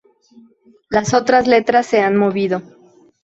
Las otras letras se han movido.